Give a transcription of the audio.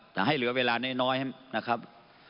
ตูท่านประทานครับ